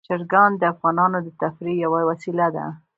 چرګان د افغانانو د تفریح یوه وسیله ده.